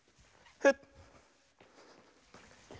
フッ。